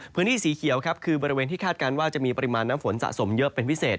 พื้นที่สีเขียวครับคือบริเวณที่คาดการณ์ว่าจะมีปริมาณน้ำฝนสะสมเยอะเป็นพิเศษ